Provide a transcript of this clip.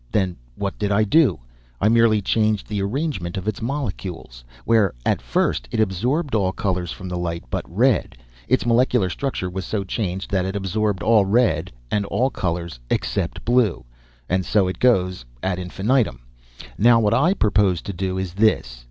Then what did I do? I merely changed the arrangement of its molecules. Where, at first, it absorbed all colors from the light but red, its molecular structure was so changed that it absorbed red and all colors except blue. And so it goes, ad infinitum. Now, what I purpose to do is this."